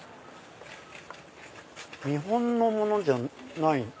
日本のものじゃない？